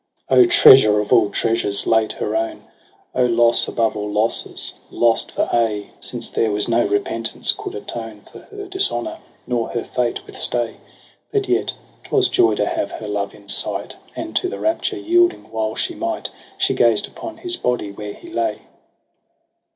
O treasure of all treasures, late her own ! O loss above all losses, lost for aye ! Since there was no repentance coud atone For her dishonour, nor her fate withstay. But yet 'twas joy to have her love in sight j And, to the rapture yielding while she might. She gazed upon his body where he lay.